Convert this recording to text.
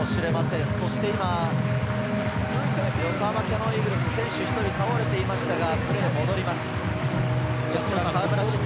横浜キヤノンイーグルス、選手が１人倒れていましたが戻ります。